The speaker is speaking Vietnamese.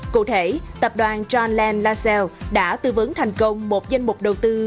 cụ thể tập đoàn john lange lascelles đã tư vấn thành công một danh mục đầu tư gồm hai năm triệu đô la mỹ